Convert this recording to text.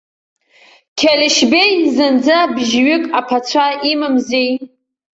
Қьалышьбеи зынӡа бжьҩык аԥацәа имамзи.